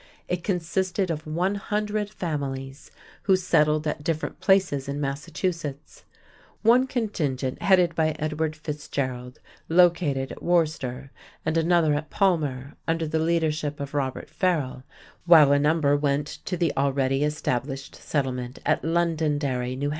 It consisted of one hundred families, who settled at different places in Massachusetts. One contingent, headed by Edward Fitzgerald, located at Worcester and another at Palmer under the leadership of Robert Farrell, while a number went to the already established settlement at Londonderry, N.H.